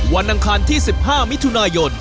วันดังคันที่๑๕มิถุนายน